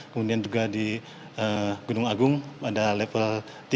kemudian juga di gunung agung pada level tiga